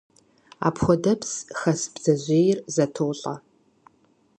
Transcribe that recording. Апхуэдэпс хэс бдзэжьейр зэтолӀэ.